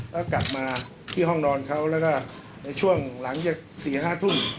แล้วกลับมาที่ห้องนอนเขาแล้วก็ในช่วงหลังจาก๔๕ทุ่ม